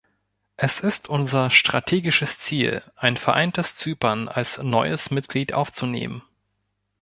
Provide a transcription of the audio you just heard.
Es ist unser strategisches Ziel, ein vereintes Zypern als neues Mitglied aufzunehmen.